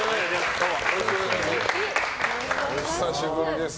お久しぶりです。